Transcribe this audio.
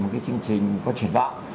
một cái chương trình có triển vọng